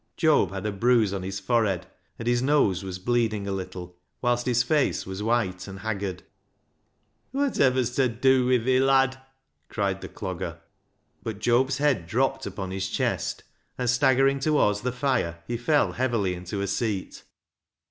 Job had a bruise on his forehead, and his nose was bleeding a little, whilst his face was white and haggard. " Wotiver's ta dew wi' thi, lad ?" cried the Clogger. But Job's head dropped upon his chest, and staggering towards the fire, he fell heavily into a scat.